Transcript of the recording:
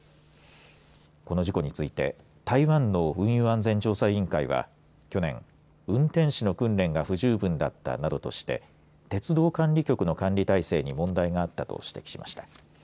この事故について台湾の運輸安全調査委員会は去年、運転士の訓練が不十分だったなどとして鉄道管理局の管理態勢に問題があったと指摘しました。